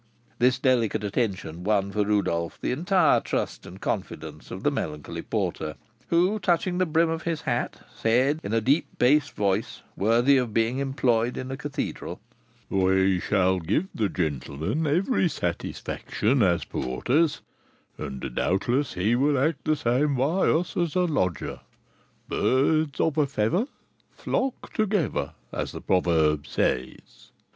This delicate attention won for Rodolph the entire trust and confidence of the melancholy porter, who, touching the brim of his hat, said, in a deep bass voice worthy of being employed in a cathedral: "We shall give the gentleman every satisfaction as porters, and, doubtless, he will act the same by us as a lodger; 'birds of a feather flock together,' as the proverb says."